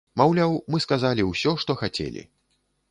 Маўляў, мы сказалі ўсё, што хацелі.